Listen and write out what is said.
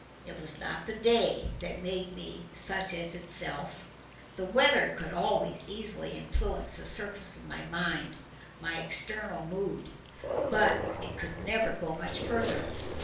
It was not the day that made me such as itself. The weather could always easily influence the surface of my mind, my external mood, but it could never go much further.